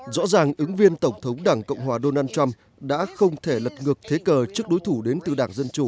rõ ràng ứng viên tổng thống đảng cộng hòa donald trump đã không thể lật ngược thế cờ trước đối thủ đến từ đảng dân chủ